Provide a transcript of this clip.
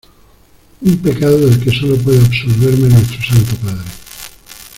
un pecado del que sólo puede absolverme Nuestro Santo Padre.